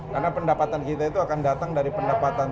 karena pendapatan kita itu akan datang dari pendapatan